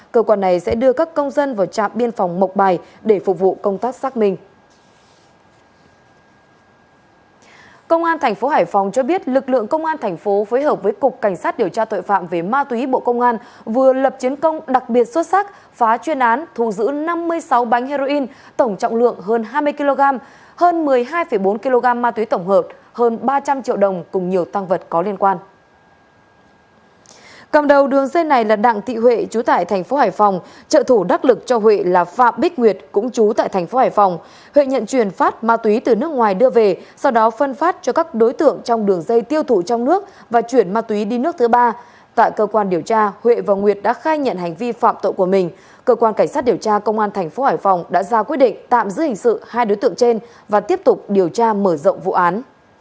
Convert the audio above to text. cơ quan cảnh sát điều tra công an tp hải phòng đã ra quyết định tạm giữ hình sự hai đối tượng trên và tiếp tục điều tra mở rộng vụ án